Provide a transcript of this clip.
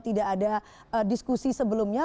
tidak ada diskusi sebelumnya